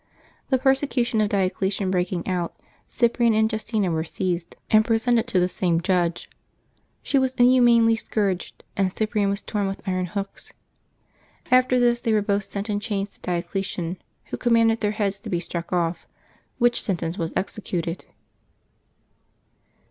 The persecution of Diocletian breaking out, Cyprian and Justina were seized. 324 LIVES OF THE 8AINTS [September 27 and presented to the same judge. She was inhumanly scourged, and Cyprian was torn with iron hooks. After this they were both sent in chains to Diocletian, who com manded their heads to be struck off, which sentence was executed.